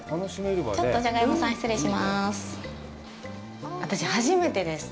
ちょっとジャガイモさん、失礼します。